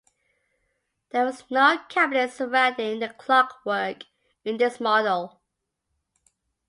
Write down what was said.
There was no cabinet surrounding the clockwork in this model.